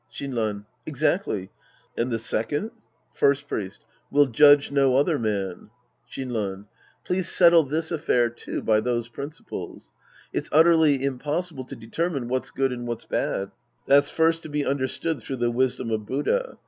Shinran. Exactly. And the second ? First Priest. " We'll judge no other man." Shinran. Please settle tliis affair, too, by those principles. It's utterly impossible to determine what's good and what's bad. That's first to be understood through the wisdom of Buddha.